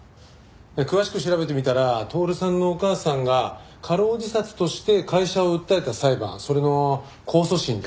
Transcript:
詳しく調べてみたら透さんのお母さんが過労自殺として会社を訴えた裁判それの控訴審で。